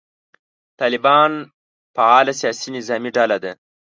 طالبان فعاله سیاسي نظامي ډله ده.